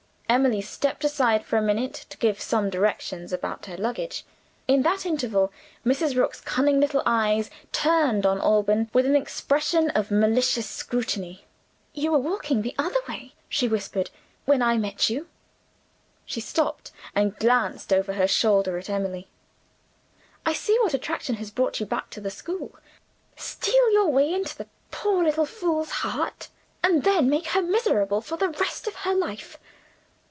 Emily stepped aside for a minute to give some directions about her luggage. In that interval Mrs. Rook's cunning little eyes turned on Alban with an expression of malicious scrutiny. "You were walking the other way," she whispered, "when I met you." She stopped, and glanced over her shoulder at Emily. "I see what attraction has brought you back to the school. Steal your way into that poor little fool's heart; and then make her miserable for the rest of her life!